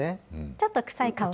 ちょっと臭い香り。